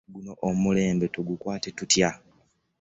Guno omulembe tugukwate tutya?